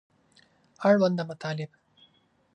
اړونده مطالب